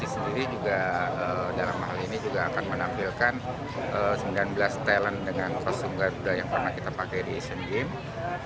jadi juga dalam hal ini juga akan menampilkan sembilan belas talent dengan kostum garuda yang pernah kita pakai di asian game